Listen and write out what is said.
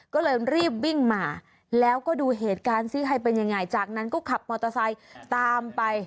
ก็เลยรีบวิ่งมาแล้วก็ดูเหตุการณ์ซิใครเป็นยังไงจากนั้นก็ขับมอเตอร์ไซค์ตามไป